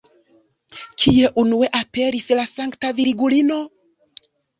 Kie unue aperis la Sankta Virgulino?